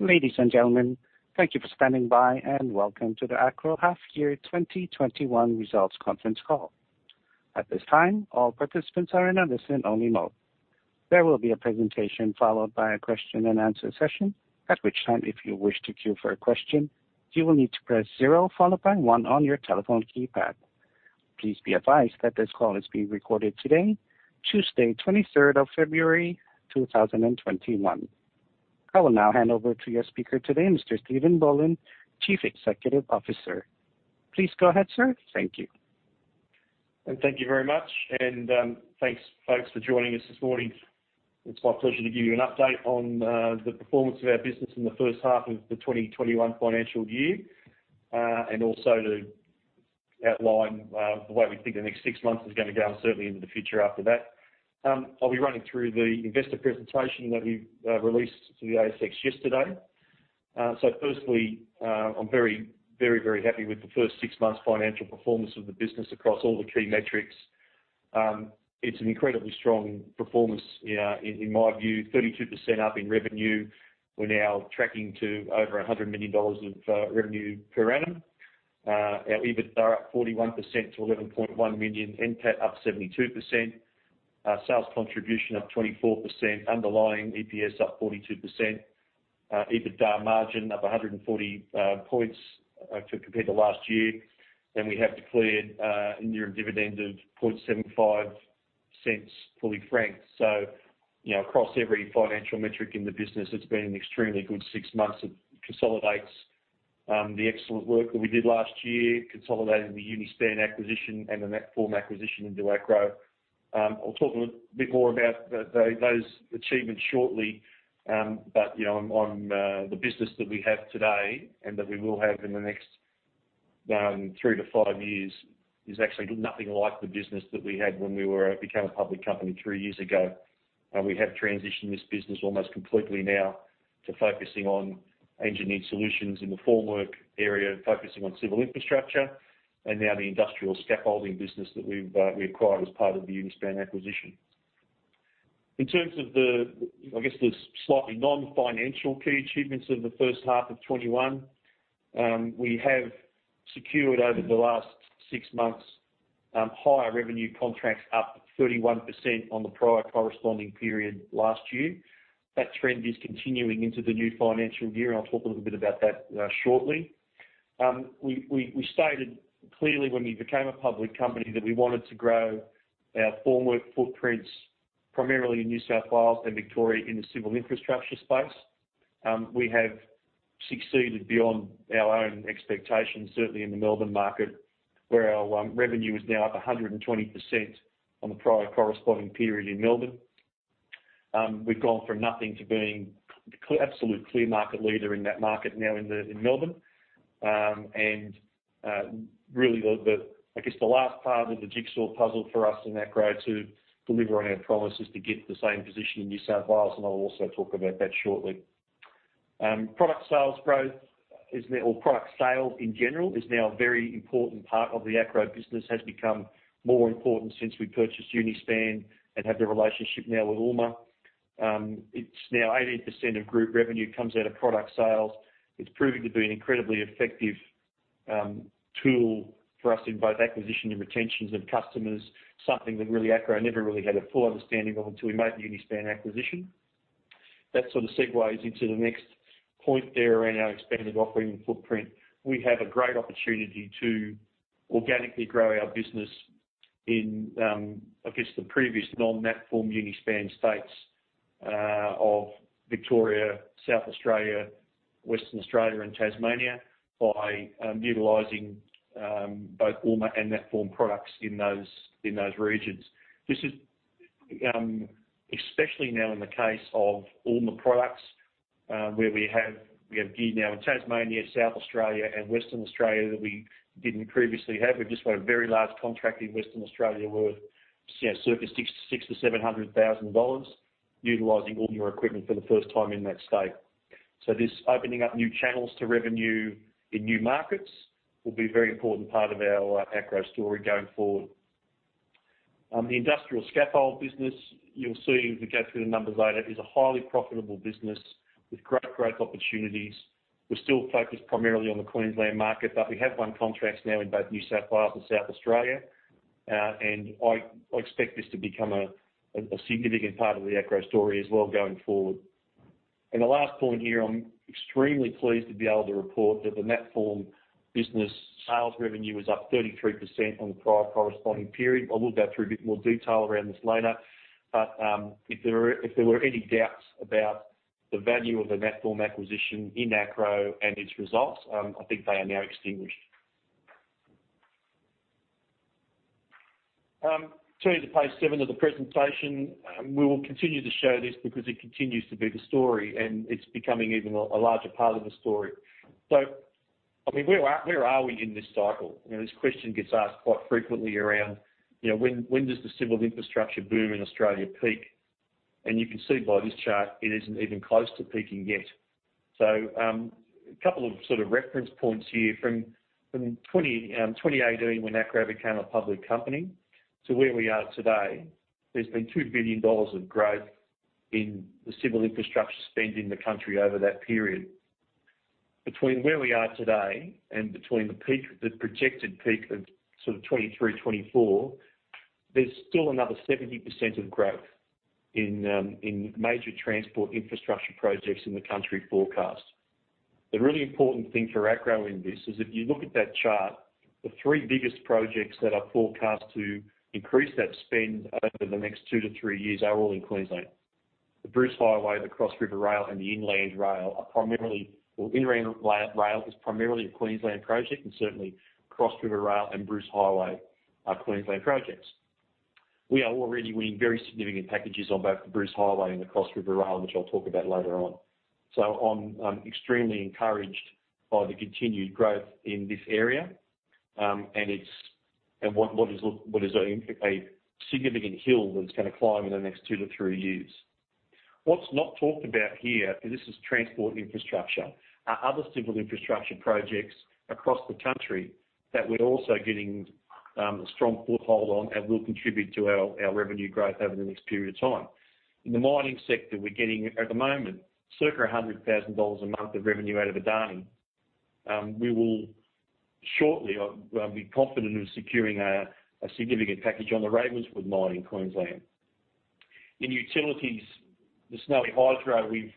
Ladies and gentlemen, thank you for standing by and welcome to the Acrow Half Year 2021 Results Conference Call. At this time, all participants are in a listen-only mode. There will be a presentation followed by a question and answer session, at which time if you wish to queue for a question, you will need to press zero followed by one on your telephone keypad. Please be advised that this call is being recorded today, Tuesday, 23rd of February 2021. I will now hand over to your speaker today, Mr. Steven Boland, Chief Executive Officer. Please go ahead, sir. Thank you. Thank you very much. Thanks, folks, for joining us this morning. It's my pleasure to give you an update on the performance of our business in the first half of the 2021 financial year, and also to outline the way we think the next six months is going to go, and certainly into the future after that. I'll be running through the investor presentation that we released to the ASX yesterday. Firstly, I'm very happy with the first six months financial performance of the business across all the key metrics. It's an incredibly strong performance in my view. 32% up in revenue. We're now tracking to over 100 million dollars of revenue per annum. Our EBITDA up 41% to 11.1 million, NPAT up 72%, sales contribution up 24%, underlying EPS up 42%, EBITDA margin up 140 points compared to last year. We have declared an interim dividend of 0.0075 fully franked. Across every financial metric in the business, it's been an extremely good six months. It consolidates the excellent work that we did last year, consolidating the Uni-span acquisition and the Natform acquisition into Acrow. I'll talk a bit more about those achievements shortly. The business that we have today and that we will have in the next three to five years is actually nothing like the business that we had when we became a public company three years ago. We have transitioned this business almost completely now to focusing on engineered solutions in the formwork area, focusing on civil infrastructure, and now the industrial scaffolding business that we've acquired as part of the Uni-span acquisition. In terms of the slightly non-financial key achievements of the first half of 2021, we have secured over the last six months higher revenue contracts up 31% on the prior corresponding period last year. That trend is continuing into the new financial year. I'll talk a little bit about that shortly. We stated clearly when we became a public company that we wanted to grow our formwork footprints primarily in New South Wales and Victoria in the civil infrastructure space. We have succeeded beyond our own expectations, certainly in the Melbourne market, where our revenue is now up 120% on the prior corresponding period in Melbourne. We've gone from nothing to being the absolute clear market leader in that market now in Melbourne. Really, I guess the last part of the jigsaw puzzle for us in Acrow to deliver on our promise is to get the same position in New South Wales, and I'll also talk about that shortly. Product sales growth or product sales in general is now a very important part of the Acrow business, has become more important since we purchased Uni-span and have the relationship now with ULMA. It's now 18% of group revenue comes out of product sales. It's proving to be an incredibly effective tool for us in both acquisition and retentions of customers, something that really Acrow never really had a full understanding of until we made the Uni-span acquisition. That sort of segues into the next point there around our expanded operating footprint. We have a great opportunity to organically grow our business in, I guess the previous non-Natform, Uni-span states of Victoria, South Australia, Western Australia, and Tasmania by utilizing both ULMA and Natform products in those regions. This is especially now in the case of ULMA products, where we have gear now in Tasmania, South Australia, and Western Australia that we didn't previously have. We've just won a very large contract in Western Australia worth circumscribed 600,000-700,000 dollars, utilizing ULMA equipment for the first time in that state. This opening up new channels to revenue in new markets will be a very important part of our Acrow story going forward. The industrial scaffold business, you'll see as we go through the numbers later, is a highly profitable business with great growth opportunities. We're still focused primarily on the Queensland market, but we have won contracts now in both New South Wales and South Australia. I expect this to become a significant part of the Acrow story as well going forward. The last point here, I'm extremely pleased to be able to report that the Natform business sales revenue was up 33% on the prior corresponding period. I will go through a bit more detail around this later. If there were any doubts about the value of the Natform acquisition in Acrow and its results, I think they are now extinguished. Turning to page seven of the presentation. We will continue to show this because it continues to be the story, and it's becoming even a larger part of the story. Where are we in this cycle? This question gets asked quite frequently around when does the civil infrastructure boom in Australia peak? You can see by this chart, it isn't even close to peaking yet. A couple of reference points here from 2018, when Acrow became a public company, to where we are today, there's been 2 billion dollars of growth in the civil infrastructure spend in the country over that period. Between where we are today and between the projected peak of sort of 2023, 2024, there's still another 70% of growth in major transport infrastructure projects in the country forecast. The really important thing for Acrow in this is if you look at that chart, the three biggest projects that are forecast to increase that spend over the next two to three years are all in Queensland. The Bruce Highway, the Cross River Rail, and the Inland Rail are primarily, well, Inland Rail is primarily a Queensland project and certainly Cross River Rail and Bruce Highway are Queensland projects. We are already winning very significant packages on both the Bruce Highway and the Cross River Rail, which I'll talk about later on. I'm extremely encouraged by the continued growth in this area. What is a significant hill that it's going to climb in the next two to three years. What's not talked about here, and this is transport infrastructure, are other civil infrastructure projects across the country that we're also getting a strong foothold on and will contribute to our revenue growth over the next period of time. In the mining sector, we're getting, at the moment, circa 100,000 dollars a month of revenue out of Adani. We will shortly be confident of securing a significant package on the Ravenswood mine in Queensland. In utilities, the Snowy Hydro, we've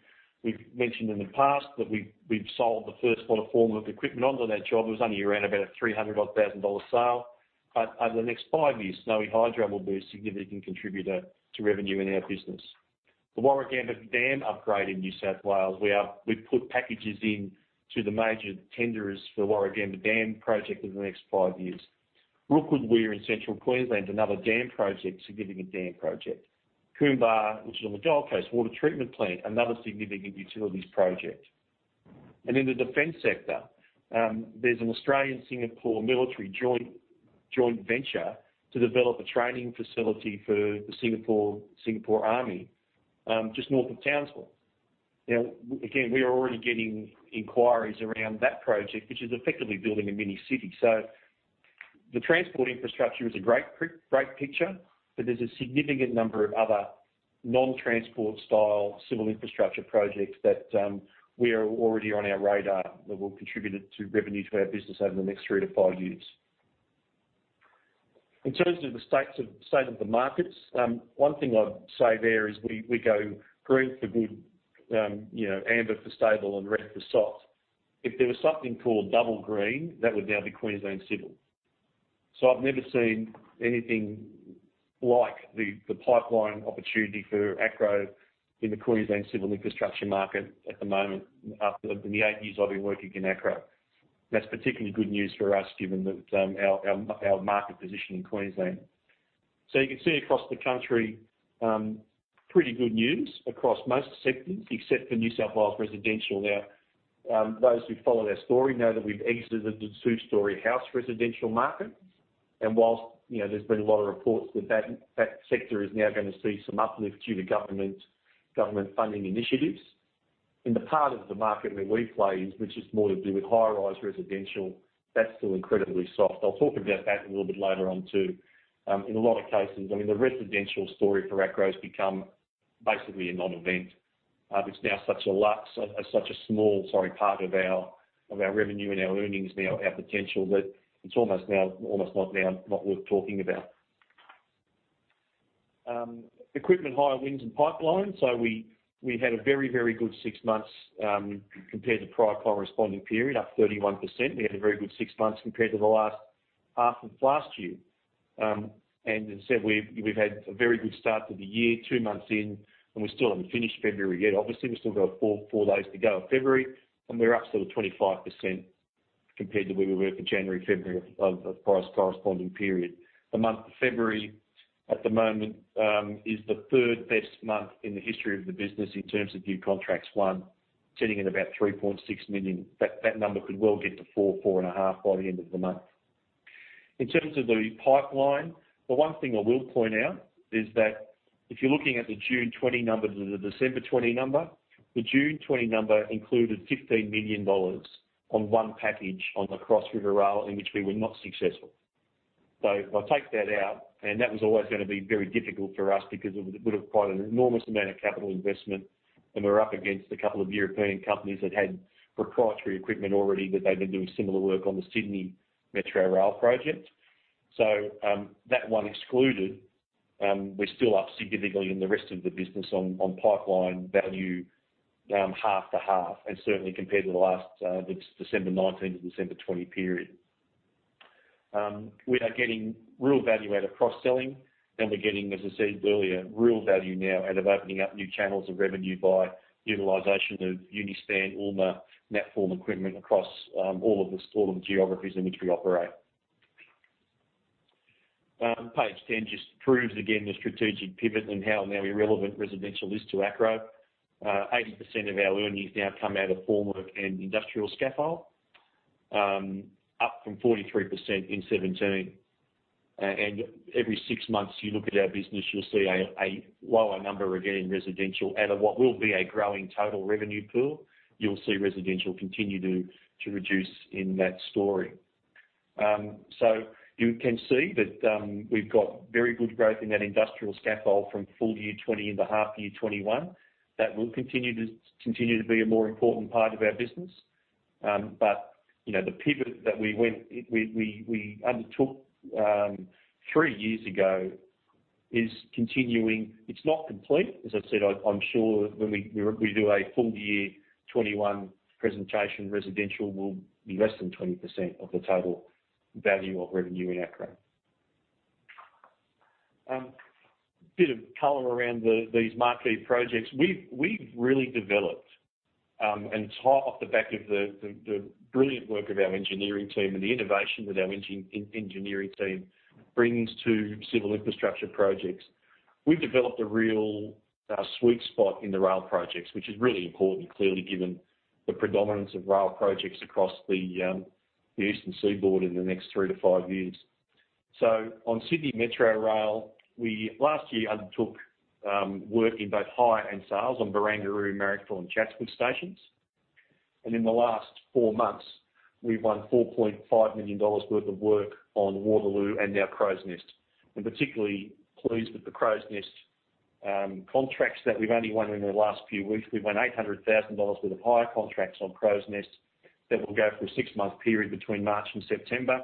mentioned in the past that we've sold the first lot of formwork equipment onto that job. It was only around about a 300,000-odd dollar sale, but over the next five years, Snowy Hydro will be a significant contributor to revenue in our business. The Warragamba Dam upgrade in New South Wales, we've put packages in to the major tenderers for the Warragamba Dam project over the next five years. Rookwood Weir in Central Queensland, another dam project, significant dam project. Coomera, which is on the Gold Coast, water treatment plant, another significant utilities project. In the defense sector, there's an Australian-Singapore military joint venture to develop a training facility for the Singapore Army, just north of Townsville. Again, we are already getting inquiries around that project, which is effectively building a mini city. The transport infrastructure is a great picture, but there's a significant number of other non-transport style civil infrastructure projects that we are already on our radar that will contribute to revenue to our business over the next three to five years. In terms of the state of the markets, one thing I'd say there is we go green for good, amber for stable, and red for soft. If there was something called double green, that would now be Queensland Civil. I've never seen anything like the pipeline opportunity for Acrow in the Queensland civil infrastructure market at the moment in the eight years I've been working in Acrow. That's particularly good news for us given our market position in Queensland. You can see across the country, pretty good news across most sectors except for New South Wales residential. Those who follow their story know that we've exited the two-story house residential market. Whilst there's been a lot of reports that that sector is now going to see some uplift due to government funding initiatives. In the part of the market where we play is, which is more to do with high-rise residential, that's still incredibly soft. I'll talk about that a little bit later on too. In a lot of cases, the residential story for Acrow has become basically a non-event. It's now such a small part of our revenue and our earnings now, our potential, that it's almost not now worth talking about. Equipment hire wins and pipeline. We had a very good six months compared to prior corresponding period, up 31%. We had a very good six months compared to the last half of last year. As I said, we've had a very good start to the year, two months in, and we still haven't finished February yet. Obviously, we've still got four days to go of February, and we're up sort of 25% compared to where we were for January, February of prior corresponding period. The month of February at the moment is the third best month in the history of the business in terms of new contracts won, sitting at about 3.6 million. That number could well get to 4 million, AUD 4.5 million by the end of the month. In terms of the pipeline, the one thing I will point out is that if you're looking at the June 2020 number to the December 2020 number, the June 2020 number included 15 million dollars on one package on the Cross River Rail in which we were not successful. If I take that out, and that was always going to be very difficult for us because it would have quite an enormous amount of capital investment, and we're up against a couple of European companies that had proprietary equipment already that they'd been doing similar work on the Sydney Metro Rail project. That one excluded, we're still up significantly in the rest of the business on pipeline value half to half, and certainly compared to the last December 2019 to December 2020 period. We are getting real value out of cross-selling. We're getting, as I said earlier, real value now out of opening up new channels of revenue by utilization of Uni-span, ULMA Natform equipment across all of the geographies in which we operate. Page 10 just proves again the strategic pivot and how now irrelevant residential is to Acrow. 80% of our earnings now come out of formwork and industrial scaffold, up from 43% in 2017. Every six months you look at our business, you'll see a lower number again in residential out of what will be a growing total revenue pool. You'll see residential continue to reduce in that story. You can see that we've got very good growth in that industrial scaffold from full year 2020 into half year 2021. That will continue to be a more important part of our business. The pivot that we undertook three years ago is continuing. It's not complete. As I said, I'm sure when we do a full year 2021 presentation, residential will be less than 20% of the total value of revenue in Acrow. A bit of color around these marquee projects. We've really developed, and off the back of the brilliant work of our engineering team and the innovation that our engineering team brings to civil infrastructure projects. We've developed a real sweet spot in the rail projects, which is really important, clearly, given the predominance of rail projects across the Eastern Seaboard in the next three to five years. On Sydney Metro Rail, we last year undertook work in both hire and sales on Barangaroo, Marrickville and Chatswood stations. In the last four months, we've won 4.5 million dollars worth of work on Waterloo and now Crows Nest. Particularly pleased with the Crows Nest contracts that we've only won in the last few weeks. We've won 800,000 dollars worth of hire contracts on Crows Nest that will go for a six-month period between March and September.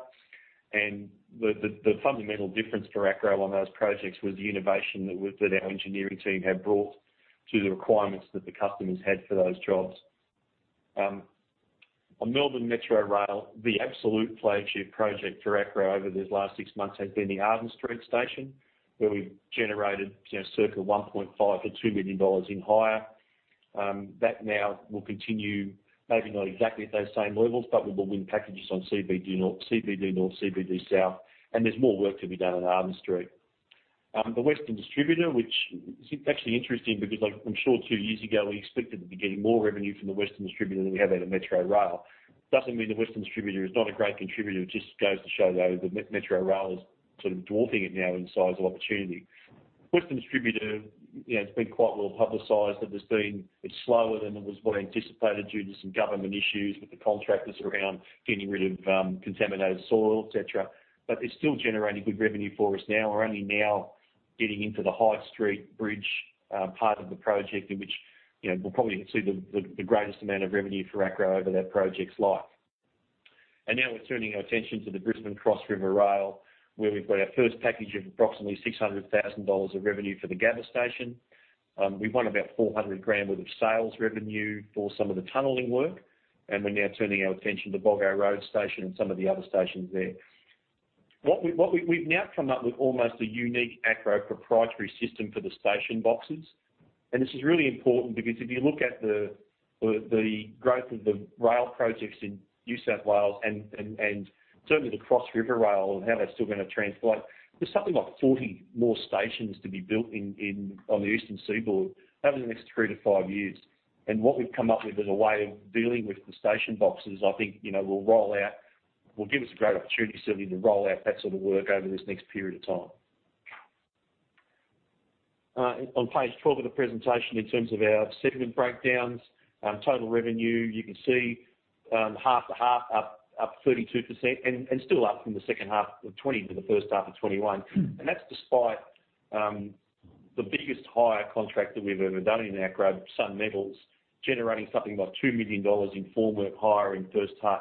The fundamental difference for Acrow on those projects was the innovation that our engineering team have brought to the requirements that the customers had for those jobs. On Melbourne Metro Rail, the absolute flagship project for Acrow over these last six months has been the Arden Street station, where we've generated circa 1.5 million - 2 million dollars in hire. That now will continue, maybe not exactly at those same levels, but we will win packages on CBD North, CBD South, and there's more work to be done at Arden Street. The Western Distributor, which is actually interesting because I'm sure two years ago, we expected to be getting more revenue from the Western Distributor than we have out of Metro Rail. Doesn't mean the Western Distributor is not a great contributor, it just goes to show, though, that Metro Rail is sort of dwarfing it now in size of opportunity. Western Distributor, it's been quite well publicized that it's slower than it was anticipated due to some government issues with the contractors around getting rid of contaminated soil, et cetera. They're still generating good revenue for us now. We're only now getting into the High Street Bridge part of the project in which we'll probably see the greatest amount of revenue for Acrow over that project's life. Now we're turning our attention to the Brisbane Cross-River Rail, where we've got our first package of approximately 600,000 dollars of revenue for The Gabba station. We've won about 400,000 worth of sales revenue for some of the tunneling work, and we're now turning our attention to Boggo Road station and some of the other stations there. We've now come up with almost a unique Acrow proprietary system for the station boxes. This is really important because if you look at the growth of the rail projects in New South Wales and certainly the Cross-River Rail and how that's still going to transform, there's something like 40 more stations to be built on the Eastern Seaboard over the next three to five years. What we've come up with as a way of dealing with the station boxes, I think, will give us a great opportunity certainly to roll out that sort of work over this next period of time. On page 12 of the presentation, in terms of our segment breakdowns, total revenue, you can see half to half up 32%, still up from the second half of 2020 to the first half of 2021. That's despite the biggest hire contract that we've ever done in Acrow, Sun Metals, generating something like 2 million dollars in formwork hire in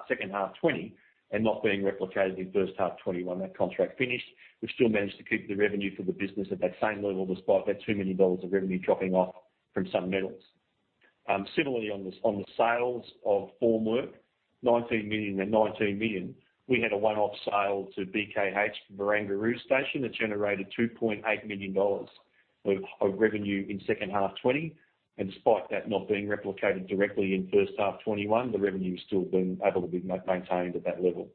second half 2020 and not being replicated in first half 2021. That contract finished. We've still managed to keep the revenue for the business at that same level, despite that AUD 2 million of revenue dropping off from Sun Metals. Similarly, on the sales of formwork, 19 million and 19 million. We had a one-off sale to BKH for Barangaroo Station that generated 2.8 million dollars of revenue in second half 2020. Despite that not being replicated directly in first half 2021, the revenue's still been able to be maintained at that level.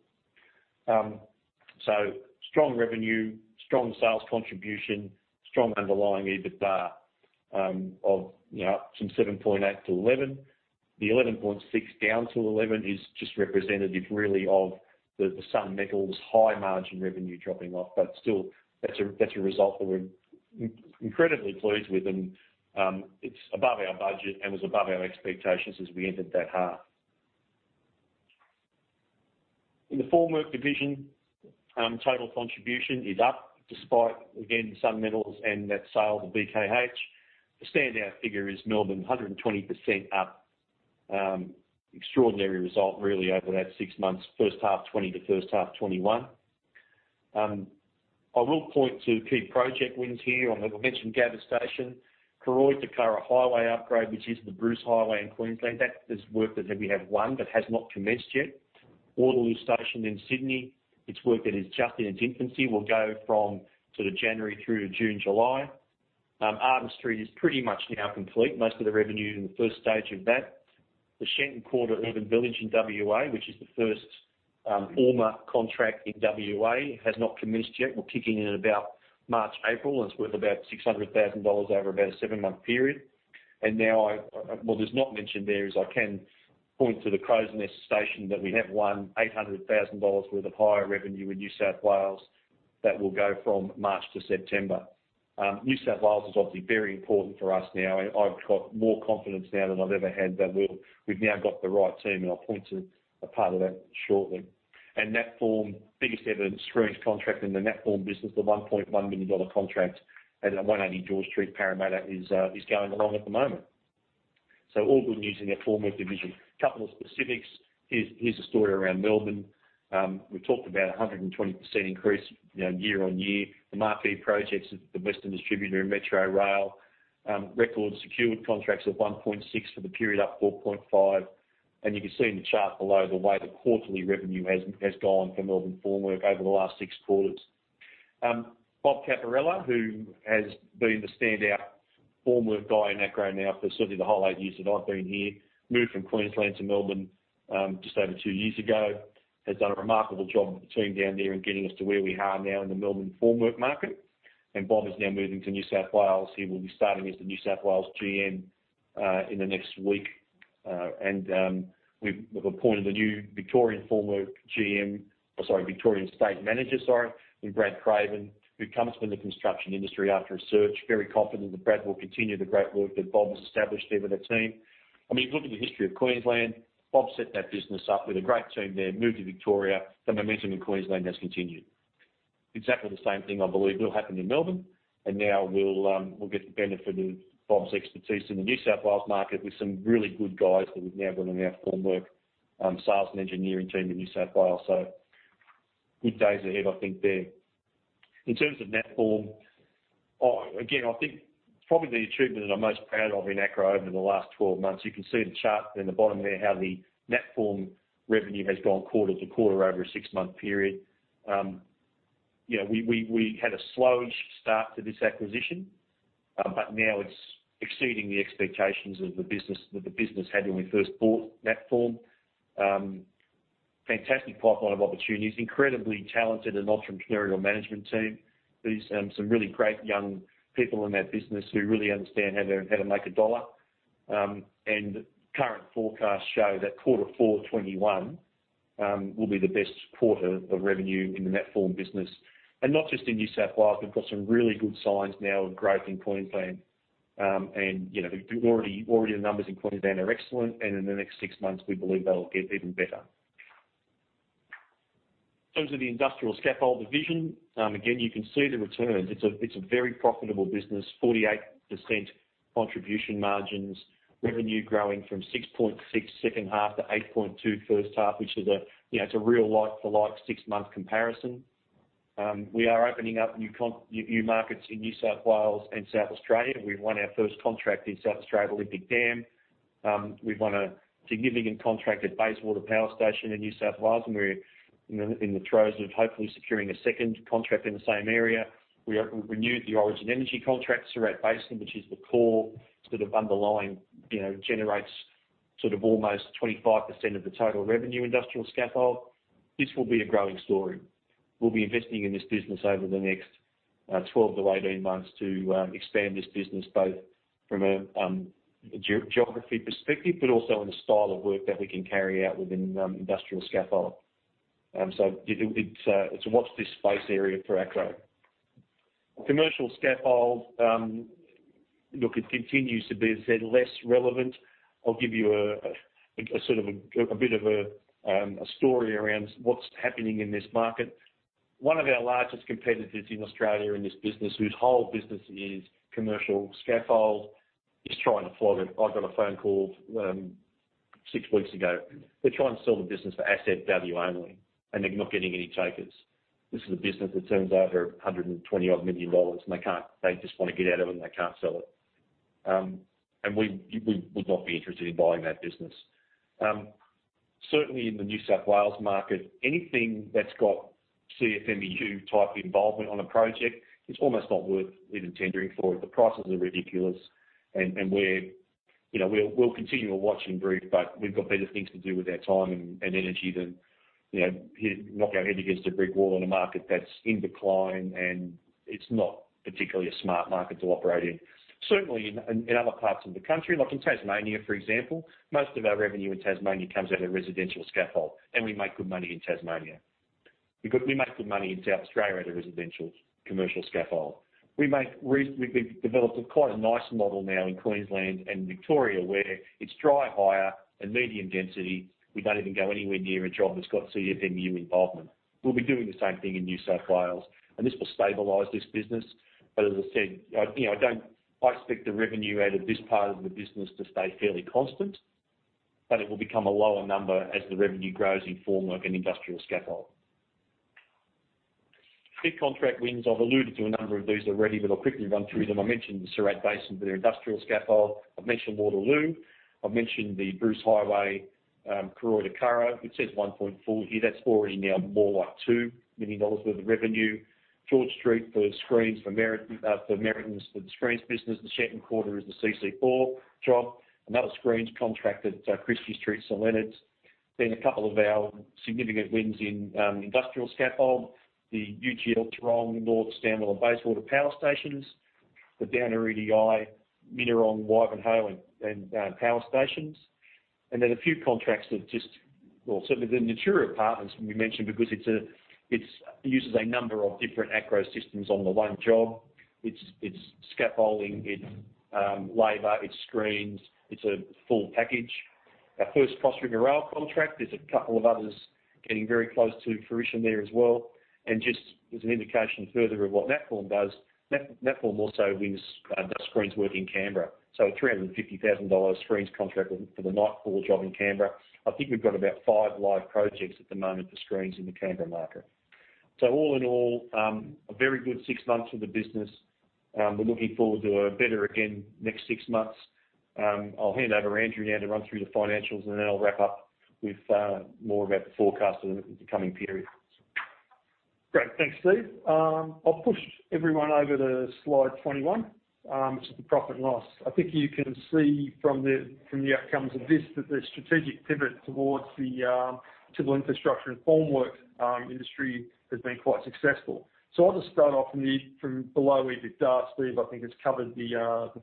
Strong revenue, strong sales contribution, strong underlying EBITDA of from 7.8 million - 11 million. The 11.6 million down to 11 million is just representative really of the Sun Metals' high margin revenue dropping off. Still, that's a result that we're incredibly pleased with and it's above our budget and was above our expectations as we entered that half. In the formwork division, total contribution is up despite, again, Sun Metals and that sale to BKH. The standout figure is Melbourne, 120% up. Extraordinary result, really, over that six months, first half 2020 to first half 2021. I will point to key project wins here. I mentioned Gabba station. Cooroy to Curra highway upgrade, which is the Bruce Highway in Queensland. That is work that we have won but has not commenced yet. Waterloo Station in Sydney. It's work that is just in its infancy. Will go from sort of January through to June, July. Arden Street is pretty much now complete, most of the revenue in the first stage of that. The Shenton Quarter Urban Village in WA, which is the first formwork contract in WA, has not commenced yet. We're kicking in at about March, April, and it's worth about 600,000 dollars over about a seven-month period. Now, what is not mentioned there is I can point to the Crows Nest Station that we have won 800,000 dollars worth of hire revenue in New South Wales that will go from March to September. New South Wales is obviously very important for us now. I've got more confidence now than I've ever had that we've now got the right team, and I'll point to a part of that shortly. Natform, biggest ever screens contract in the Natform business, the 1.1 million dollar contract at 180 George Street, Parramatta, is going along at the moment. All good news in our formwork division. A couple of specifics. Here's a story around Melbourne. We talked about 120% increase year-on-year. The marquee projects at the Western Distributor and Metro Rail. Record secured contracts of 1.6 for the period, up 4.5. You can see in the chart below the way the quarterly revenue has gone for Melbourne formwork over the last six quarters. Bob Caporella, who has been the standout formwork guy in Acrow now for certainly the whole eight years that I've been here, moved from Queensland to Melbourne just over two years ago, has done a remarkable job with the team down there in getting us to where we are now in the Melbourne formwork market. Bob is now moving to New South Wales. He will be starting as the New South Wales GM in the next week. We've appointed a new Victorian formwork GM, or sorry, Victorian state manager, sorry, in Brad Craven, who comes from the construction industry after a search. Very confident that Brad will continue the great work that Bob has established there with the team. If you look at the history of Queensland, Bob set that business up with a great team there, moved to Victoria. The momentum in Queensland has continued. Exactly the same thing I believe will happen in Melbourne, and now we'll get the benefit of Bob's expertise in the New South Wales market with some really good guys that we've now got on our formwork sales and engineering team in New South Wales. Good days ahead, I think there. In terms of Natform, again, I think probably the achievement that I'm most proud of in Acrow over the last 12 months, you can see the chart in the bottom there, how the Natform revenue has gone quarter to quarter over a six-month period. We had a slowish start to this acquisition, but now it's exceeding the expectations of the business that the business had when we first bought Natform. Fantastic pipeline of opportunities, incredibly talented and entrepreneurial management team. There's some really great young people in that business who really understand how to make a dollar. Current forecasts show that Q4 2021 will be the best quarter of revenue in the Natform business. Not just in New South Wales, we've got some really good signs now of growth in Queensland. Already the numbers in Queensland are excellent, and in the next six months, we believe they'll get even better. In terms of the industrial scaffold division, again, you can see the returns. It's a very profitable business, 48% contribution margins, revenue growing from 6.6 second half - 8.2 first half, which is a real like for like six-month comparison. We are opening up new markets in New South Wales and South Australia. We've won our first contract in South Australia, Olympic Dam. We've won a significant contract at Bayswater Power Station in New South Wales, and we're in the throes of hopefully securing a second contract in the same area. We renewed the Origin Energy contract, Surat Basin, which is the core underlying, generates almost 25% of the total revenue industrial scaffold. This will be a growing story. We'll be investing in this business over the next 12 - 18 months to expand this business, both from a geography perspective, but also in the style of work that we can carry out within industrial scaffold. It's a watch this space area for Acrow. Commercial scaffold, look, it continues to be, as I said, less relevant. I'll give you a story around what's happening in this market. One of our largest competitors in Australia in this business, whose whole business is commercial scaffold, is trying to flog it. I got a phone call six weeks ago. They're trying to sell the business for asset value only, and they're not getting any takers. This is a business that turns over 120 odd million. They just want to get out of it. They can't sell it. We would not be interested in buying that business. Certainly in the New South Wales market, anything that's got CFMEU type involvement on a project, it's almost not worth even tendering for it. The prices are ridiculous. We'll continue to watch and brief. We've got better things to do with our time and energy than knock our head against a brick wall in a market that's in decline. It's not particularly a smart market to operate in. Certainly in other parts of the country, like in Tasmania, for example, most of our revenue in Tasmania comes out of residential scaffold. We make good money in Tasmania. Because we make good money in South Australia out of residential commercial scaffold. We've developed quite a nice model now in Queensland and Victoria where it's dry hire and medium density. We don't even go anywhere near a job that's got CFMEU involvement. We'll be doing the same thing in New South Wales, and this will stabilize this business. As I said, I expect the revenue out of this part of the business to stay fairly constant, but it will become a lower number as the revenue grows in formwork and industrial scaffold. Big contract wins. I've alluded to a number of these already, I'll quickly run through them. I mentioned the Surat Basin for their industrial scaffold. I've mentioned Waterloo. I've mentioned the Bruce Highway, Cooroy to Curra. It says 1.4 here. That's already now more like 2 million dollars worth of revenue. George Street for screens for Meriton, for the screens business. The Shenton Quarter is a CC4 job. Another screens contract at Christie Street, St Leonards. A couple of our significant wins in industrial scaffold, the UGL Tarong, North Stanwell, and Bayswater Power Stations, the Downer EDI, Millmerran, Wivenhoe, and power stations. A few contracts that certainly the Natura Apartments we mentioned because it uses a number of different Acrow systems on the one job. It's scaffolding, it's labor, it's screens, it's a full package. Our first Cross River Rail contract. There's a couple of others getting very close to fruition there as well. Just as an indication further of what Natform does, Natform also wins the screens work in Canberra. A 350,000 dollar screens contract for the Nightfall job in Canberra. I think we've got about five live projects at the moment for screens in the Canberra market. All in all, a very good six months for the business. We're looking forward to a better again next six months. I'll hand over Andrew now to run through the financials, and then I'll wrap up with more about the forecast in the coming periods. Great. Thanks, Steven. I'll push everyone over to slide 21, which is the profit and loss. I think you can see from the outcomes of this that the strategic pivot towards the civil infrastructure and formwork industry has been quite successful. I'll just start off from below EBITDA. Steven, I think has covered the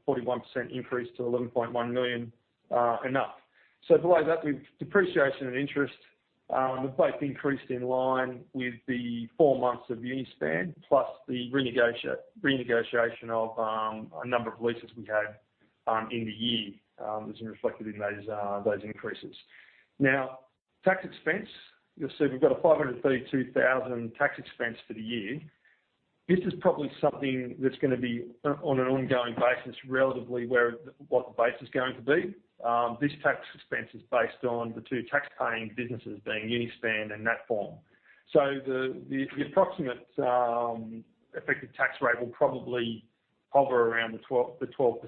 41% increase to 11.1 million enough. Below that, we've depreciation and interest, both increased in line with the four months of Uni-span, plus the renegotiation of a number of leases we had in the year, as reflected in those increases. Tax expense, you'll see we've got a 532,000 tax expense for the year. This is probably something that's going to be on an ongoing basis, relatively what the base is going to be. This tax expense is based on the two taxpaying businesses being Uni-span and Natform. The approximate effective tax rate will probably hover around the 12%.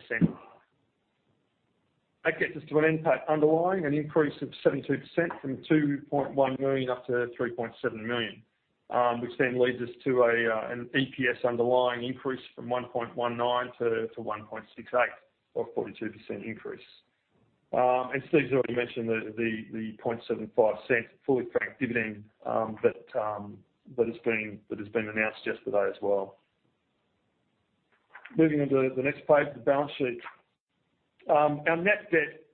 That gets us to an NPAT underlying, an increase of 72% from 2.1 million up to 3.7 million, which then leads us to an EPS underlying increase from 1.19 - 1.68 or 42% increase. Steven already mentioned the 0.0075 fully franked dividend that has been announced yesterday as well. Moving on to the next page, the balance sheet. Our net debt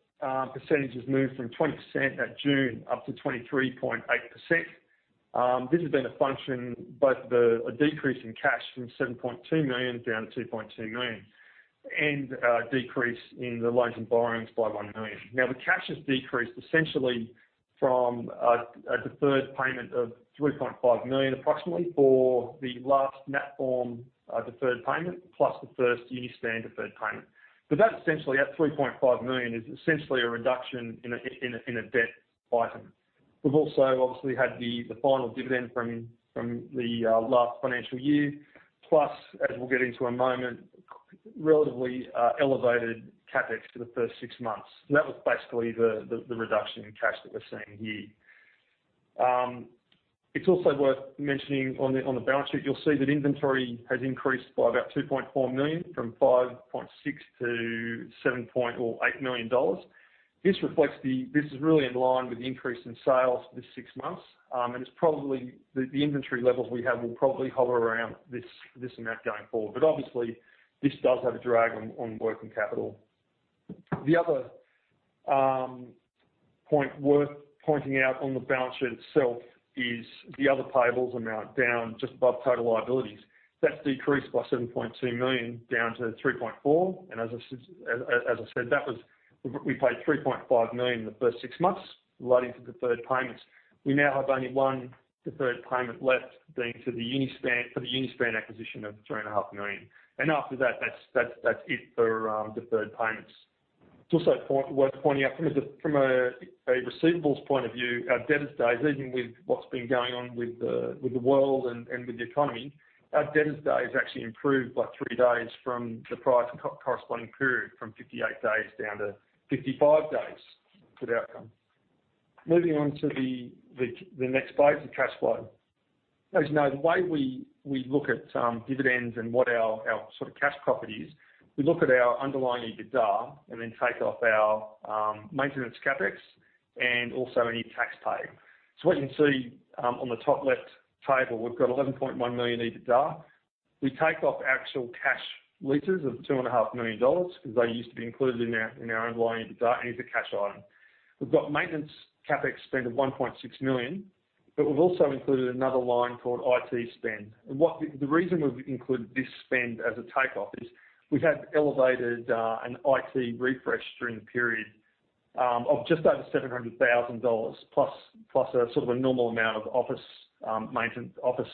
percentage has moved from 20% at June up to 23.8%. This has been a function, both of a decrease in cash from 7.2 million down to 2.2 million and a decrease in the loans and borrowings by 1 million. The cash has decreased essentially from a deferred payment of 3.5 million approximately for the last Natform deferred payment, plus the first Uni-span deferred payment. That essentially, that 3.5 million is essentially a reduction in a debt item. We've also obviously had the final dividend from the last financial year, plus as we'll get into a moment, relatively elevated CapEx for the first six months. That was basically the reduction in cash that we're seeing here. It's also worth mentioning on the balance sheet, you'll see that inventory has increased by about 2.4 million from 5.6 million-7.8 million dollars. This is really in line with the increase in sales this six months. The inventory levels we have will probably hover around this amount going forward. Obviously, this does have a drag on working capital. The other point worth pointing out on the balance sheet itself is the other payables amount down just above total liabilities. That's decreased by 7.2 million-3.4 million. As I said, we paid 3.5 million in the first six months relating to deferred payments. We now have only one deferred payment left being for the Uni-span acquisition of 3.5 million. After that's it for deferred payments. It's also worth pointing out from a receivables point of view, our debtors days, even with what's been going on with the world and with the economy, our debtors days actually improved by three days from the prior corresponding period from 58 days down to 55 days for the outcome. Moving on to the next page of cash flow. As you know, the way we look at dividends and what our sort of cash profit is, we look at our underlying EBITDA and then take off our maintenance CapEx and also any tax paid. What you can see on the top left table, we've got 11.1 million EBITDA. We take off actual cash leases of 2.5 million dollars because they used to be included in our underlying EBITDA and is a cash item. We've got maintenance CapEx spend of 1.6 million, but we've also included another line called IT spend. The reason we've included this spend as a take off is we've had elevated an IT refresh during the period of just over 700,000 dollars plus a normal amount of office maintenance, office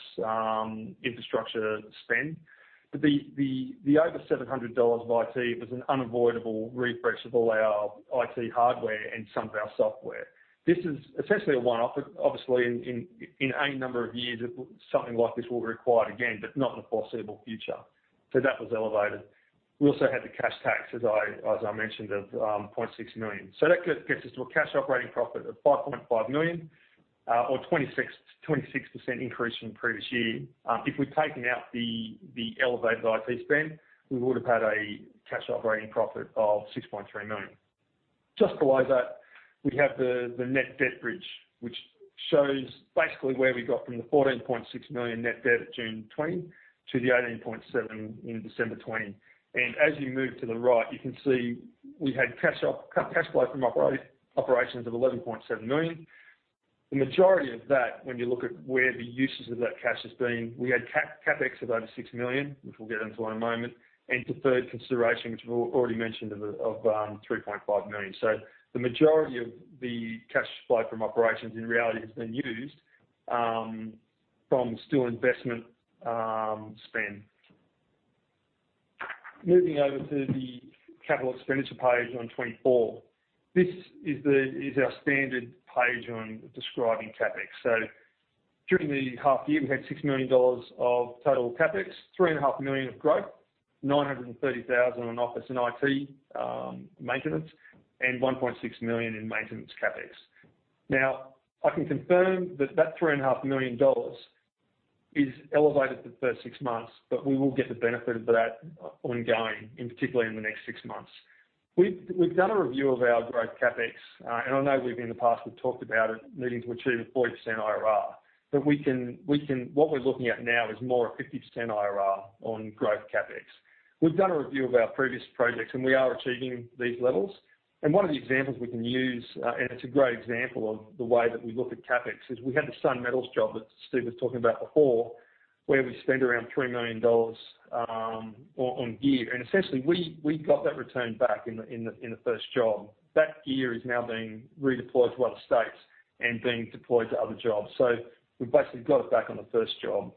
infrastructure spend. The over 700,000 dollars of IT was an unavoidable refresh of all our IT hardware and some of our software. This is essentially a one-off. Obviously, in a number of years, something like this will be required again, but not in the foreseeable future. That was elevated. We also had the cash tax, as I mentioned, of 0.6 million. That gets us to a cash operating profit of 5.5 million. 26% increase from the previous year. If we'd taken out the elevated IT spend, we would've had a cash operating profit of 6.3 million. Just below that, we have the net debt bridge, which shows basically where we got from the 14.6 million net debt at June 2020 to the 18.7 million in December 2020. As you move to the right, you can see we had cash flow from operations of 11.7 million. The majority of that, when you look at where the uses of that cash has been, we had CapEx of over 6 million, which we'll get into in a moment, and deferred consideration, which we've already mentioned, of 3.5 million. The majority of the cash flow from operations in reality has been used from steel investment spend. Moving over to the capital expenditure page on 24. This is our standard page on describing CapEx. During the half year, we had 6 million dollars of total CapEx, 3.5 million of growth, 930,000 on office and IT maintenance, and 1.6 million in maintenance CapEx. I can confirm that that 3.5 million dollars is elevated for the first six months, but we will get the benefit of that ongoing, in particular in the next six months. We've done a review of our growth CapEx, and I know in the past we've talked about it needing to achieve a 40% IRR, but what we're looking at now is more a 50% IRR on growth CapEx. We've done a review of our previous projects, and we are achieving these levels. One of the examples we can use, and it's a great example of the way that we look at CapEx, is we had the Sun Metals job that Steven was talking about before, where we spent around 3 million dollars on gear. Essentially, we got that return back in the first job. That gear is now being redeployed to other states and being deployed to other jobs. We've basically got it back on the first job.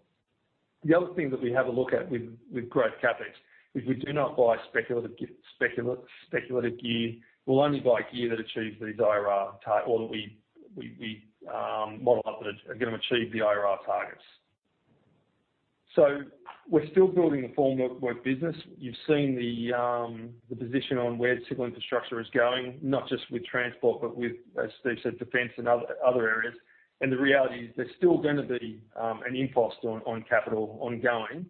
The other thing that we have a look at with growth CapEx is we do not buy speculative gear. We'll only buy gear that achieves these IRR target, or that we model up that are going to achieve the IRR targets. We're still building a formwork business. You've seen the position on where civil infrastructure is going, not just with transport, but with, as Steve said, defense and other areas. The reality is there's still going to be an impost on capital ongoing.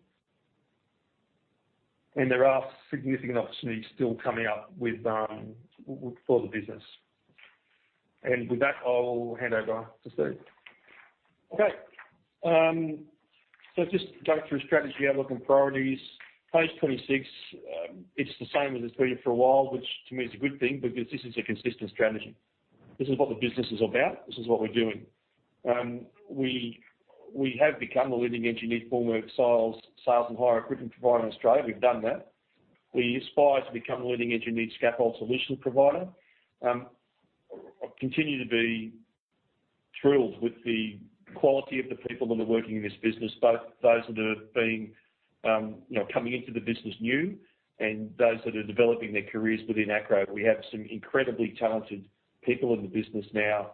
There are significant opportunities still coming up for the business. With that, I'll hand over to Steve. Okay. Just going through strategy outlook and priorities. Page 26, it's the same as it's been for a while, which to me is a good thing because this is a consistent strategy. This is what the business is about. This is what we're doing. We have become the leading engineered formwork, sales, and hire equipment provider in Australia. We've done that. We aspire to become the leading engineered scaffold solutions provider. I continue to be thrilled with the quality of the people that are working in this business, both those that are coming into the business new and those that are developing their careers within Acrow. We have some incredibly talented people in the business now.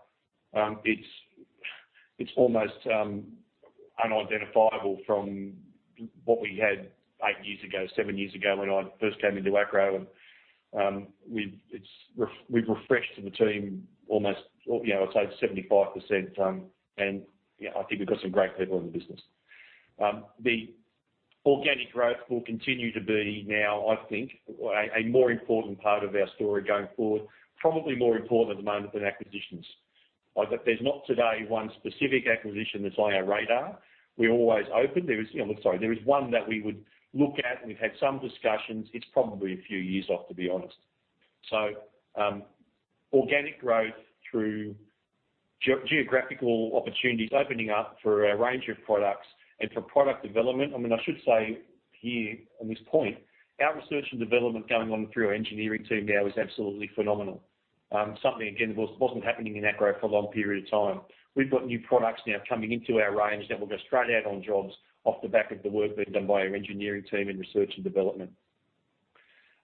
It's almost unidentifiable from what we had eight years ago, seven years ago, when I first came into Acrow. We've refreshed the team almost, I'd say 75%. I think we've got some great people in the business. The organic growth will continue to be now, I think, a more important part of our story going forward, probably more important at the moment than acquisitions. There's not today one specific acquisition that's on our radar. We're always open. Sorry, there is one that we would look at. We've had some discussions. It's probably a few years off, to be honest. Organic growth through geographical opportunities opening up for a range of products and for product development. I should say here on this point, our research and development going on through our engineering team now is absolutely phenomenal. Something, again, that wasn't happening in Acrow for a long period of time. We've got new products now coming into our range that will go straight out on jobs off the back of the work being done by our engineering team in research and development.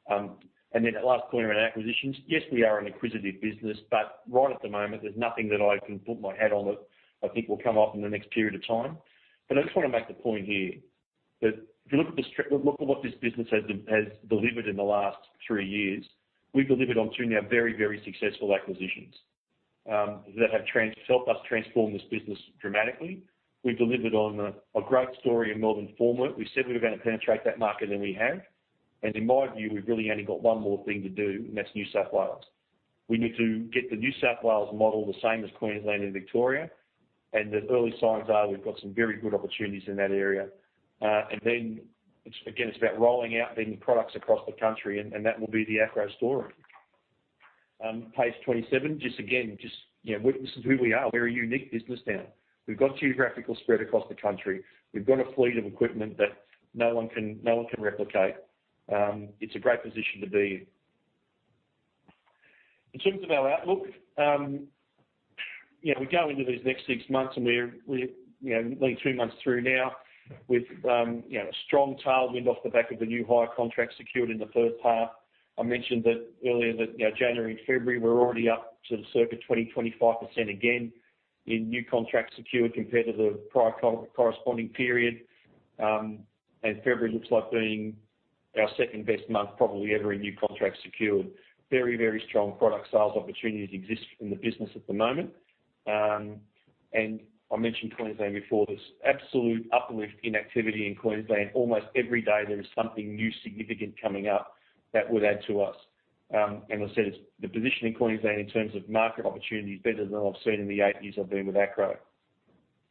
That last point around acquisitions, yes, we are an acquisitive business. Right at the moment, there's nothing that I can put my hat on that I think will come off in the next period of time. I just want to make the point here that if you look at what this business has delivered in the last three years, we've delivered on two now very successful acquisitions that have helped us transform this business dramatically. We've delivered on a growth story in Melbourne formwork. We said we were going to penetrate that market, and we have. In my view, we've really only got one more thing to do, and that's New South Wales. We need to get the New South Wales model the same as Queensland and Victoria, the early signs are we've got some very good opportunities in that area. Then again, it's about rolling out the new products across the country, and that will be the Acrow story. Page 27, just again, this is who we are. We're a unique business now. We've got geographical spread across the country. We've got a fleet of equipment that no one can replicate. It's a great position to be in. In terms of our outlook, we go into these next six months and we're nearly three months through now with a strong tailwind off the back of the new hire contract secured in the first half. I mentioned earlier that January and February, we're already up to the circa 20%-25% again in new contracts secured compared to the prior corresponding period. February looks like being our second-best month probably ever in new contracts secured. Very strong product sales opportunities exist in the business at the moment. I mentioned Queensland before. There's absolute uplift in activity in Queensland. Almost every day there is something new significant coming up that would add to us. As I said, the position in Queensland in terms of market opportunity is better than I've seen in the eight years I've been with Acrow.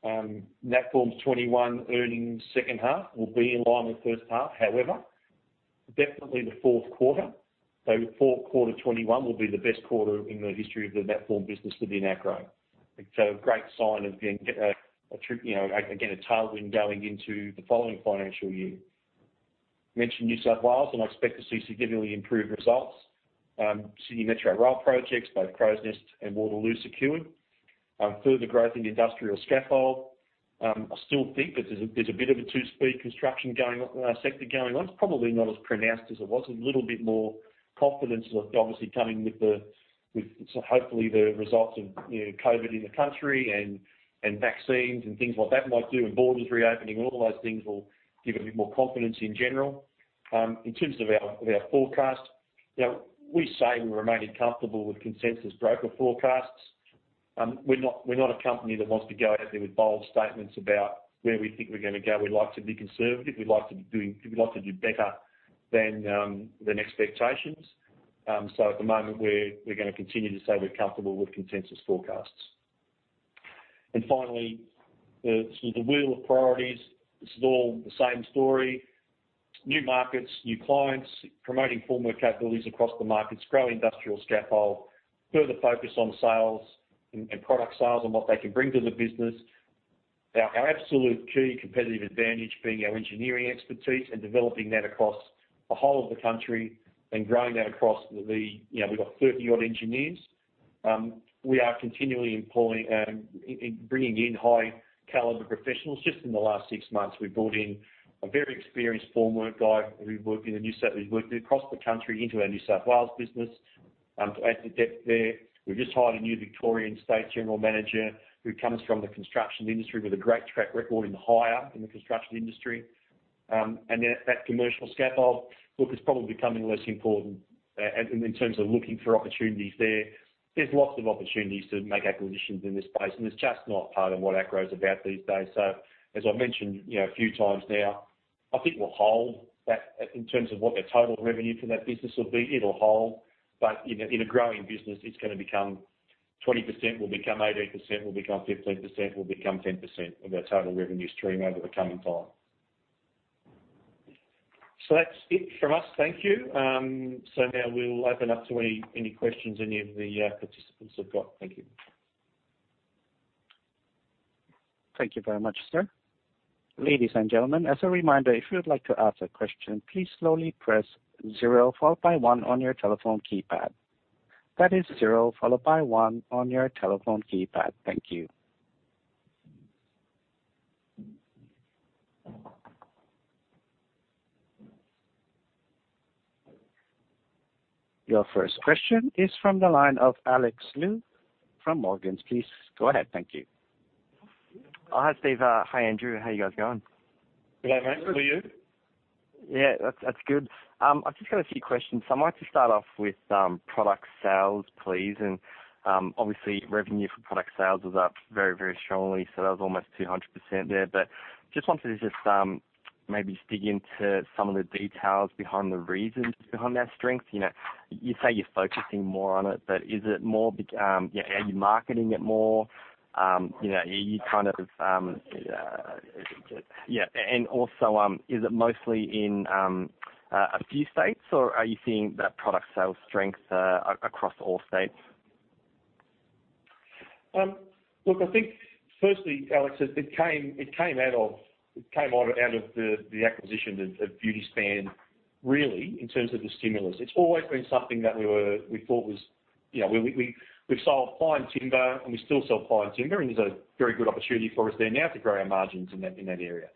Natform's 2021 earnings second half will be in line with the first half, however, definitely the fourth quarter. Fourth quarter 2021 will be the best quarter in the history of the Natform business within Acrow. It's a great sign of getting, again, a tailwind going into the following financial year. Mentioned New South Wales. I expect to see significantly improved results. Sydney Metro rail projects, both Crows Nest and Waterloo secured. Further growth in industrial scaffold. I still think that there's a bit of a two-speed construction sector going on. It's probably not as pronounced as it was. A little bit more confidence obviously coming with, hopefully, the results of COVID in the country and vaccines and things like that might do, and borders reopening, and all of those things will give a bit more confidence in general. In terms of our forecast, we say we remain comfortable with consensus broker forecasts. We're not a company that wants to go out there with bold statements about where we think we're going to go. We like to be conservative. We like to do better than expectations. At the moment, we're going to continue to say we're comfortable with consensus forecasts. Finally, the wheel of priorities. This is all the same story: new markets, new clients, promoting formwork capabilities across the markets, grow industrial scaffold, further focus on sales and product sales and what they can bring to the business. Our absolute key competitive advantage being our engineering expertise and developing that across the whole of the country and growing that across the, we've got 30-odd engineers. We are continually bringing in high caliber professionals. Just in the last six months, we've brought in a very experienced formwork guy who's worked across the country into our New South Wales business to add some depth there. We've just hired a new Victorian state general manager who comes from the construction industry with a great track record in hire in the construction industry. That commercial scaffold, look, it's probably becoming less important in terms of looking for opportunities there. There's lots of opportunities to make acquisitions in this space, and it's just not part of what Acrow is about these days. As I've mentioned a few times now, I think we'll hold that in terms of what the total revenue for that business will be. It'll hold, but in a growing business, 20% will become 18%, will become 15%, will become 10% of our total revenue stream over the coming time. That's it from us. Thank you. Now we'll open up to any questions any of the participants have got. Thank you. Thank you very much, sir. Your first question is from the line of Alex Lu from Morgans. Please go ahead. Thank you. Hi, Steve. Hi, Andrew. How are you guys going? Good, mate. You? Yeah, that's good. I've just got a few questions. I might just start off with product sales, please. Obviously revenue for product sales was up very strongly, so that was almost 200% there. Wanted to maybe dig into some of the details behind the reasons behind that strength. You say you're focusing more on it, but are you marketing it more? Also, is it mostly in a few states, or are you seeing that product sales strength across all states? Look, I think firstly, Alex, it came out of the acquisition of Uni-span, really, in terms of the stimulus. It's always been something that we thought. We've sold ply and timber, and we still sell ply and timber, and there's a very good opportunity for us there now to grow our margins in that area.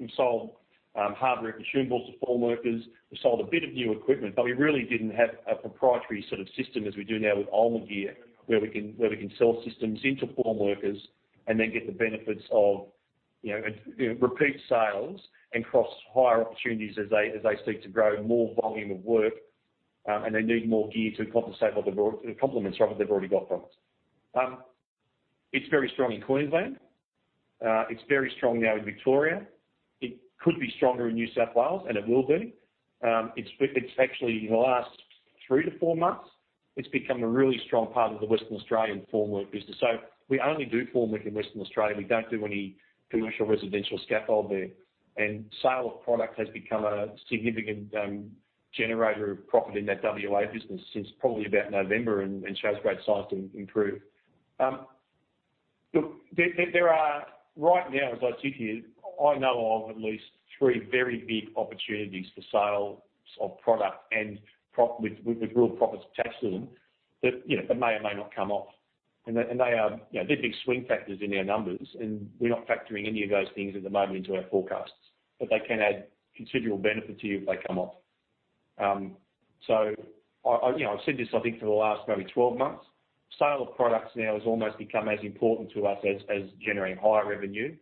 We've sold hardware consumables to formworkers. We've sold a bit of new equipment. We really didn't have a proprietary sort of system as we do now with ULMA gear, where we can sell systems into formworkers and then get the benefits of repeat sales and cross-hire opportunities as they seek to grow more volume of work. They need more gear to complement what they've already got from us. It's very strong in Queensland. It's very strong now in Victoria. It could be stronger in New South Wales. It will be. Actually, in the last three to four months, it's become a really strong part of the Western Australian formwork business. We only do formwork in Western Australia. We don't do any commercial residential scaffold there. Sale of product has become a significant generator of profit in that WA business since probably about November and shows great signs to improve. Look, there are right now, as I sit here, I know of at least three very big opportunities for sales of product and with real profits attached to them that may or may not come off. They're big swing factors in our numbers, and we're not factoring any of those things at the moment into our forecasts, but they can add considerable benefit to you if they come off. I've said this, I think, for the last maybe 12 months, sale of products now has almost become as important to us as generating hire revenue.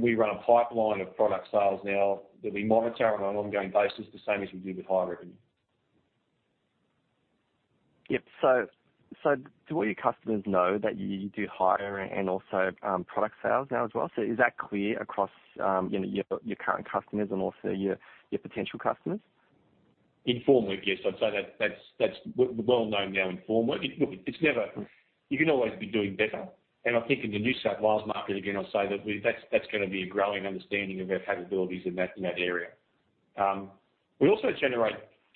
We run a pipeline of product sales now that we monitor on an ongoing basis, the same as we do with hire revenue. Yep. Do all your customers know that you do hire and also product sales now as well? Is that clear across your current customers and also your potential customers? Informally, yes. I'd say that's well-known now informally. You can always be doing better, I think in the New South Wales market, again, I'll say that's going to be a growing understanding of our capabilities in that area. We also generate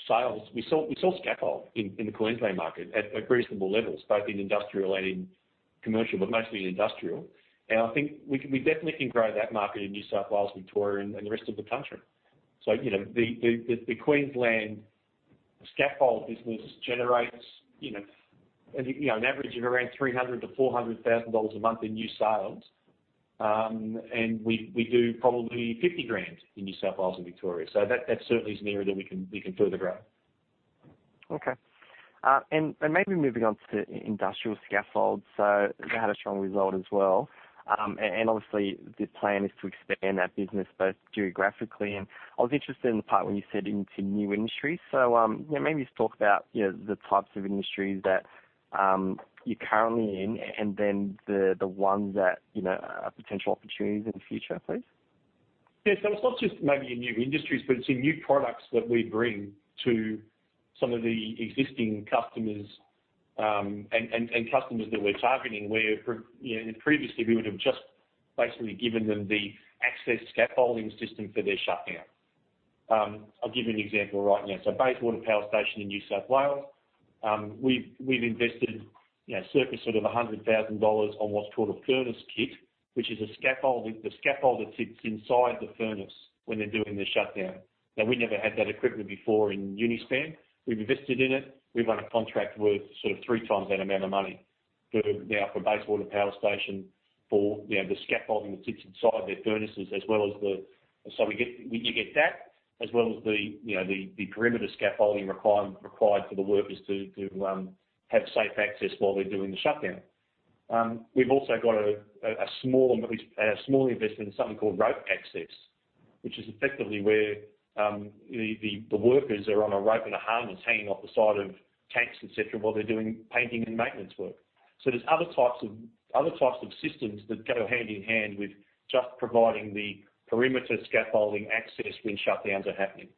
sales. We sell scaffold in the Queensland market at reasonable levels, both in industrial and in commercial, but mostly industrial. I think we definitely can grow that market in New South Wales, Victoria, and the rest of the country. The Queensland scaffold business generates an average of around 300,000 - 400,000 dollars a month in new sales. We do probably 50,000 in New South Wales and Victoria. That certainly is an area that we can further grow. Okay. Maybe moving on to industrial scaffolds. They had a strong result as well. Obviously, the plan is to expand that business both geographically and I was interested in the part when you said into new industries. Maybe just talk about the types of industries that you're currently in and then the ones that are potential opportunities in the future, please. Yeah. It's not just maybe in new industries, but it's in new products that we bring to some of the existing customers, and customers that we're targeting, where previously we would have just basically given them the access scaffolding system for their shutdown. I'll give you an example right now. Bayswater Power Station in New South Wales, we've invested circa sort of 100,000 dollars on what's called a furnace kit, which is a scaffold that sits inside the furnace when they're doing the shutdown. Now, we never had that equipment before in Uni-span. We've invested in it. We've won a contract worth sort of three times that amount of money now for Bayswater Power Station for the scaffolding that sits inside their furnaces as well as the perimeter scaffolding required for the workers to have safe access while they're doing the shutdown. We've also got a small investment in something called rope access, which is effectively where the workers are on a rope and a harness hanging off the side of tanks, et cetera, while they're doing painting and maintenance work. There's other types of systems that go hand-in-hand with just providing the perimeter scaffolding access when shutdowns are happening.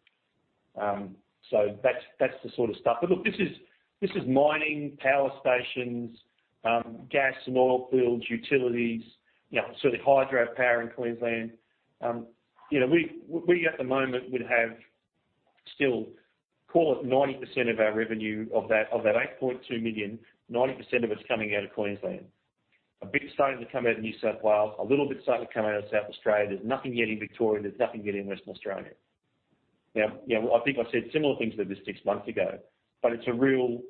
That's the sort of stuff. Look, this is mining, power stations, gas and oil fields, utilities, sort of hydro power in Queensland. We at the moment would have still, call it 90% of our revenue, of that 8.2 million, 90% of it's coming out of Queensland. A bit starting to come out of New South Wales, a little bit starting to come out of South Australia. There's nothing yet in Victoria. There's nothing yet in Western Australia. I think I said similar things to this six months ago, but it's a real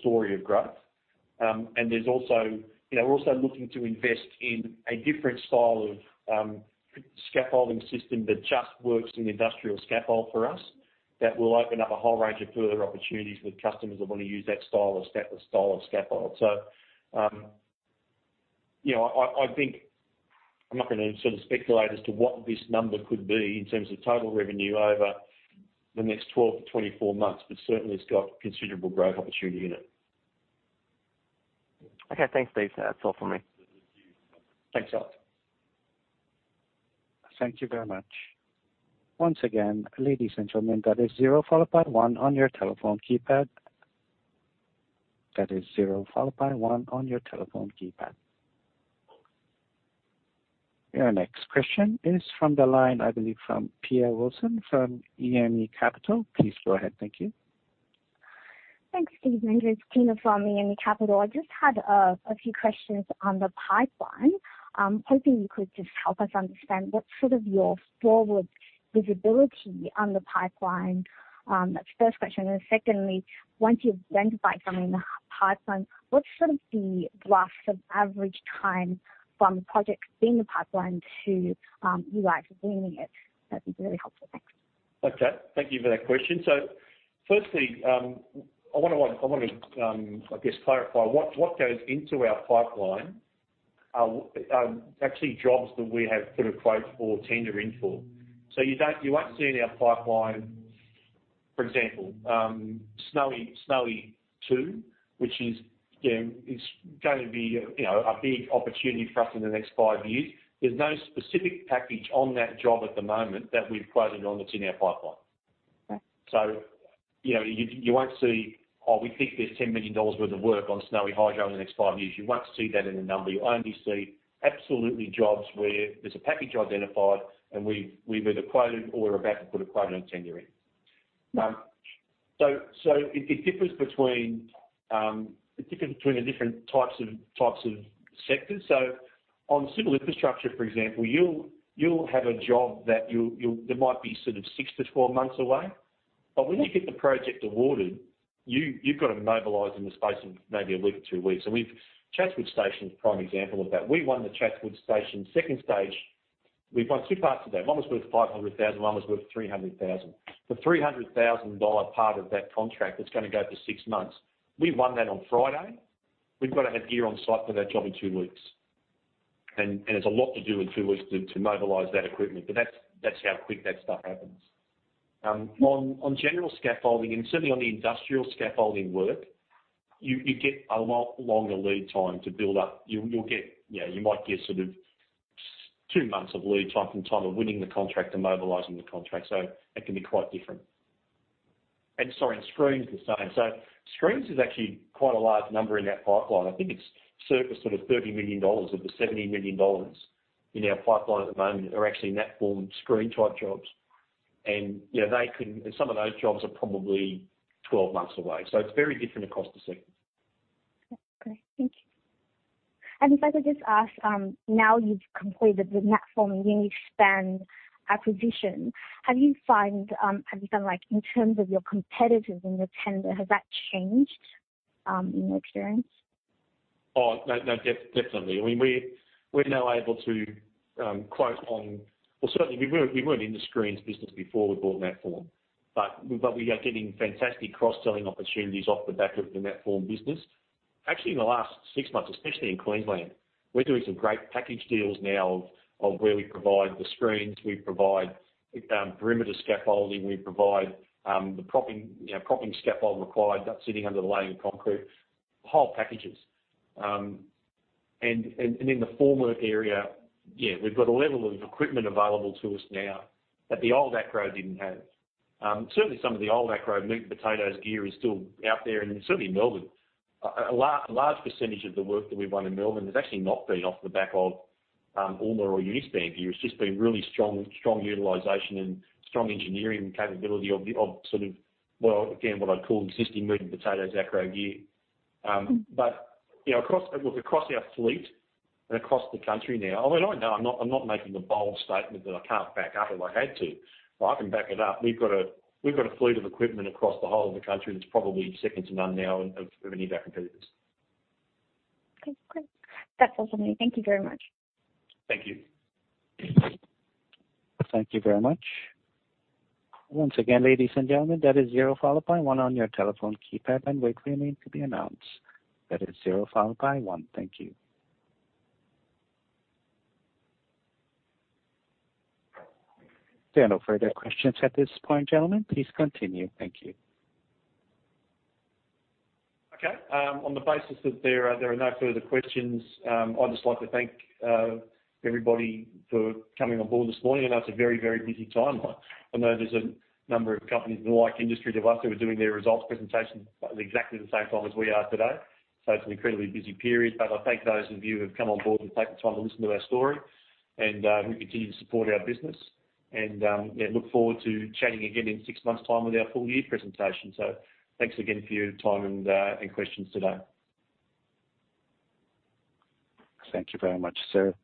story of growth. We're also looking to invest in a different style of scaffolding system that just works in industrial scaffold for us that will open up a whole range of further opportunities with customers that want to use that style of scaffold. I'm not going to sort of speculate as to what this number could be in terms of total revenue over the next 12 - 24 months, but certainly, it's got considerable growth opportunity in it. Okay. Thanks, Steve. That's all from me. Thanks, Alex. Thank you very much. Your next question is from the line, I believe from Tina Wilson from EME Capital. Please go ahead. Thank you. Thanks, Steve. It's Tina from EME Capital. I just had a few questions on the pipeline. Hoping you could just help us understand what's sort of your forward visibility on the pipeline? That's the first question. Secondly, once you've identified something in the pipeline, what's sort of the rough sort of average time from the project being in the pipeline to you actually winning it? That'd be really helpful. Thanks. Okay. Thank you for that question. Firstly, I want to, I guess clarify what goes into our pipeline are actually jobs that we have put a quote or tender in for. You won't see in our pipeline, for example, Snowy 2.0, which is going to be a big opportunity for us in the next five years. There's no specific package on that job at the moment that we've quoted on that's in our pipeline. Okay. You won't see, "Oh, we think there's 10 million dollars worth of work on Snowy Hydro in the next five years." You won't see that in a number. You only see absolutely jobs where there's a package identified, and we've either quoted or are about to put a quote and tender in. Right. It differs between the different types of sectors. On civil infrastructure, for example, you'll have a job that might be sort of six to 12 months away. When you get the project awarded, you've got to mobilize in the space of maybe a week or two weeks. Chatswood Station is a prime example of that. We won the Chatswood Station second stage. We've won two parts of that. One was worth 500,000, one was worth 300,000. The 300,000 dollar part of that contract that's going to go for six months, we won that on Friday. We've got to have gear on site for that job in two weeks. It's a lot to do in two weeks to mobilize that equipment. That's how quick that stuff happens. On general scaffolding, and certainly on the industrial scaffolding work, you get a lot longer lead time to build up. You might get two months of lead time from time of winning the contract to mobilizing the contract. It can be quite different. Sorry, and screens the same. Screens is actually quite a large number in that pipeline. I think it's circa 30 million dollars of the 70 million dollars in our pipeline at the moment are actually Natform screen-type jobs. Some of those jobs are probably 12 months away. It's very different across the sectors. Okay, thank you. If I could just ask, now you've completed the Natform and Uni-span acquisition, have you found, in terms of your competitors in the tender, has that changed in your experience? No, definitely. We're now able to quote certainly, we weren't in the screens business before we bought Natform, but we are getting fantastic cross-selling opportunities off the back of the Natform business. Actually, in the last six months, especially in Queensland, we're doing some great package deals now of where we provide the screens, we provide perimeter scaffolding, we provide the propping scaffold required that's sitting under the laying of concrete, whole packages. In the formwork area, we've got a level of equipment available to us now that the old Acrow didn't have. Certainly, some of the old Acrow meat and potatoes gear is still out there, and certainly in Melbourne. A large percentage of the work that we've won in Melbourne has actually not been off the back of ULMA or Uni-span gear. It's just been really strong utilization and strong engineering capability of, again, what I'd call existing meat and potatoes Acrow gear. Across our fleet and across the country now, I'm not making a bold statement that I can't back up if I had to, but I can back it up. We've got a fleet of equipment across the whole of the country that's probably second to none now of any of our competitors. Okay, great. That's all from me. Thank you very much. Thank you. There are no further questions at this point, gentlemen. Please continue. Thank you. Okay. On the basis that there are no further questions, I'd just like to thank everybody for coming on board this morning. I know it's a very busy time. I know there's a number of companies in the like industry to us who are doing their results presentation at exactly the same time as we are today. It's an incredibly busy period. I thank those of you who have come on board and taken the time to listen to our story, and we hope you continue to support our business. Look forward to chatting again in six months' time with our full year presentation. Thanks again for your time and questions today. Thank you very much, sir.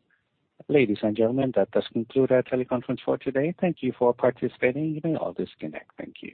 Ladies and gentlemen, that does conclude our teleconference for today. Thank you for participating. You may all disconnect. Thank you.